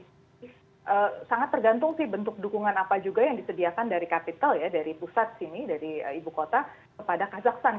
sangat tergantung sih bentuk dukungan apa juga yang disediakan dari kapital ya dari pusat sini dari ibu kota kepada kazakhstan